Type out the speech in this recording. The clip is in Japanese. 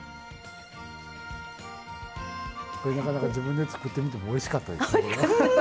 これなかなか自分で作ってみてもおいしかったです。